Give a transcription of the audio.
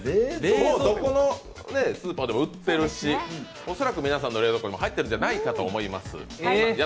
どこのスーパーでも売ってるし、恐らく皆さんの冷蔵庫にも入っているんじゃないかと思います。